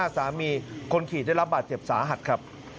สามีคนขี่ได้รับบาดเจ็บสาหัสครับ